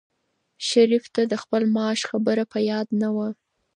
شریف ته د خپل معاش خبره په یاد نه وه.